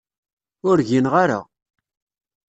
Ur gineɣ ara.